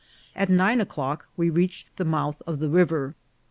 At nine o'clock we reached the mouth of the river.